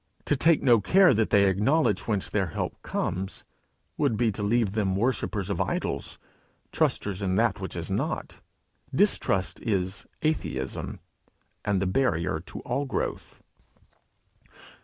To take no care that they acknowledge whence their help comes, would be to leave them worshippers of idols, trusters in that which is not. Distrust is atheism, and the barrier to all growth.